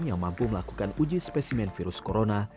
yang mampu melakukan uji spesimen virus corona